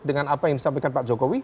dengan apa yang disampaikan pak jokowi